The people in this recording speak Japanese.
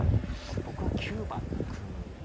僕は９番の句。